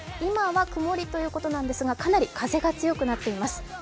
今は曇りということなんですが、かなり風が強くなっています。